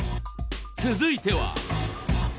続いては。